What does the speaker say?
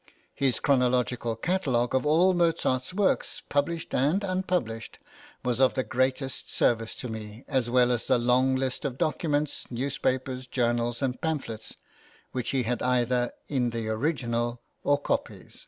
{INTRODUCTION.} (xv) His chronological catalogue of all Mozart's works, published and unpublished, was of the greatest service to me, as well as the long list of documents, newspapers, journals, and pamphlets, which he had either in the original or copies.